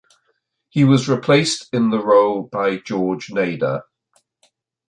He was replaced in the role by George Nader.